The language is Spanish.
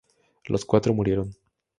Los cuatro murieron.